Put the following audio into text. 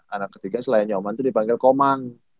anak ketiga selain nyoman itu dipanggil komang